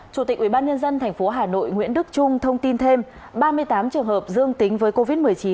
chủ tịch ubnd tp hà nội nguyễn đức trung thông tin thêm ba mươi tám trường hợp dương tính với covid một mươi chín